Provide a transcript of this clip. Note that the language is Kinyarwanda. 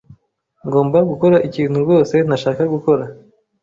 Ngomba gukora ikintu rwose ntashaka gukora.